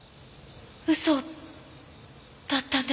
嘘だったんですか？